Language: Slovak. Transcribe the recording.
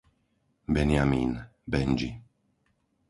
Benjamín, Bendži